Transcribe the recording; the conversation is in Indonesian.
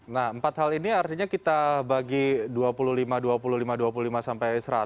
nah empat hal ini artinya kita bagi dua puluh lima dua puluh lima dua puluh lima sampai seratus